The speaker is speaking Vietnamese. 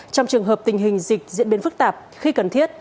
trong trường hợp tình hình dịch diễn biến phức tạp khi cần thiết